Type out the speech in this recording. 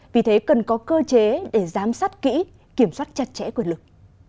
vì thế cần có cơ chế để giám sát kỹ kiểm soát chặt chẽ quyền lực